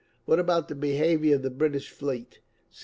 What about the behaviour of the British fleet?